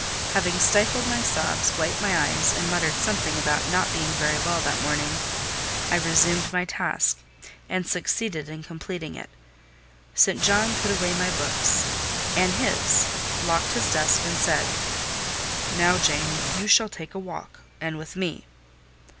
Having stifled my sobs, wiped my eyes, and muttered something about not being very well that morning, I resumed my task, and succeeded in completing it. St. John put away my books and his, locked his desk, and said— "Now, Jane, you shall take a walk; and with me."